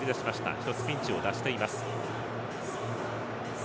一つピンチを脱しています。